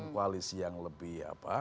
koalisi yang lebih apa